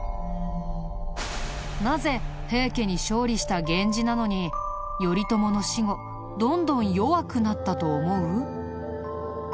なぜ平家に勝利した源氏なのに頼朝の死後どんどん弱くなったと思う？